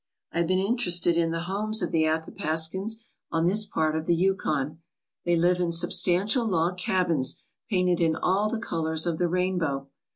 I have been interested in the homes of the Athapascans on this part of the Yukon. They live in substantial log cabins painted in all the colours of the rainbow.